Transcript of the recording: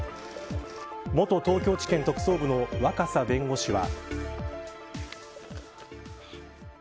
元東京地検特捜部の若狭弁護士は。